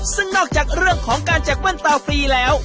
ซึ่งนอกจากเรื่องของการแจกแว่นตาฟรีแล้ว